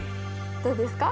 どうですか？